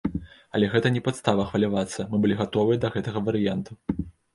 Але гэта не падстава хвалявацца, мы былі гатовыя да гэтага варыянту.